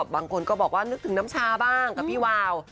บางคนก็บอกว่านึกถึงน้ำชาบ้างกับพี่วาว